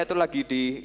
itu lagi di